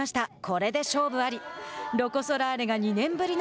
これで勝負あり。